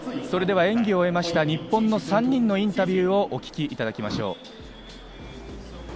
演技を終えた日本の３人のインタビューをお聞きいただきましょう。